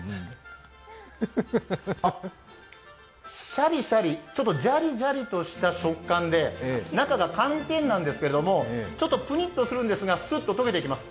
しゃりしゃり、じゃりじゃりとした食感で中が寒天なんですけれども、ちょっとプニッとするんですがすっと溶けていきます。